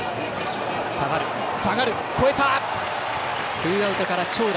ツーアウトから長打。